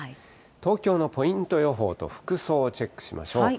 東京のポイント予報と服装をチェックしましょう。